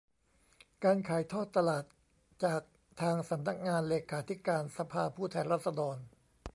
การขายทอดตลาดจากทางสำนักงานเลขาธิการสภาผู้แทนราษฎร